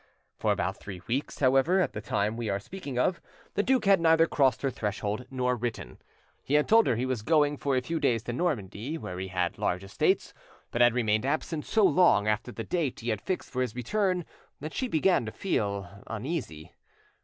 For about three weeks, however, at the time we are speaking of, the duke had neither crossed her threshold nor written. He had told her he was going for a few days to Normandy, where he had large estates, but had remained absent so long after the date he had fixed for his return that she began to feel uneasy.